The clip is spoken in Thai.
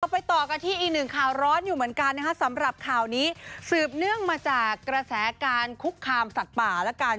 ไปต่อกันที่อีกหนึ่งข่าวร้อนอยู่เหมือนกันนะคะสำหรับข่าวนี้สืบเนื่องมาจากกระแสการคุกคามสัตว์ป่าละกัน